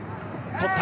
取った。